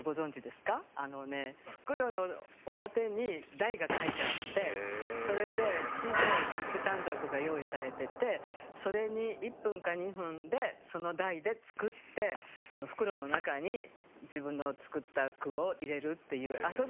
袋の表に題が書いてあってそれで小さい出句短冊が用意されててそれに１分か２分でその題で作ってその袋の中に自分の作った句を入れるっていう遊びがあるんですよ。